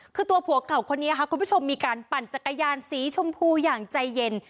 คือตัวผัวเก่าคนนี้ค่ะคุณผู้ชมมีการปั่นจักรยานสีชมพูอย่างใจเย็น